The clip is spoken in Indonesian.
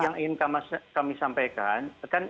yang ingin kami sampaikan